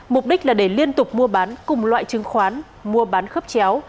mục đích là để liên tục mua bán cùng loại trương khoán mua bán khớp chéo